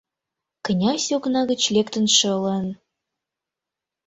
Князь окна гыч лектын шылын